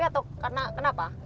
atau karena kenapa